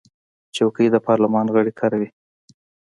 چوکۍ د پارلمان غړي کاروي.